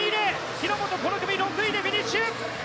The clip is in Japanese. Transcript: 日本はこの組６位でフィニッシュ。